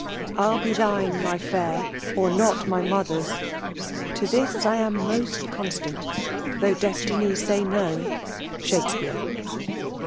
ni be thine, my fair. Or Dot mj mother*!. To this I am most eottstaat, Thoagh destinj lay, No !— SHAKSPEA.RC.